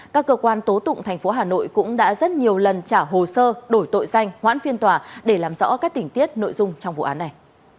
các cơ quan tố tụng tp hà nội cũng đã rất nhiều lần trả hồ sơ đổi tội danh hoãn phiên tòa để làm rõ các tình tiết nội dung trong vụ án này